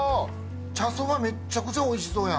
茶そば、めちゃくちゃおいしそうやん。